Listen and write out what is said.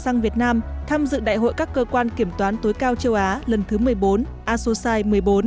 sang việt nam tham dự đại hội các cơ quan kiểm toán tối cao châu á lần thứ một mươi bốn asosai một mươi bốn